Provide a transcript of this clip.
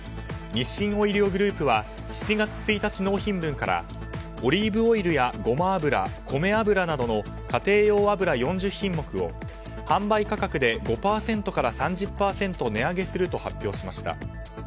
日清オイリオグループは７月１日納品分からオリーブオイルやごま油こめ油などの家庭用油４０品目を販売価格で５％から３０％値上げすると発表しました。